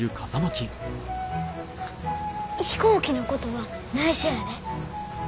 飛行機のことはないしょやで。